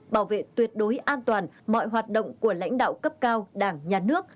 bảo vệ tuyệt đối an toàn mọi hoạt động của lãnh đạo cấp cao đảng nhà nước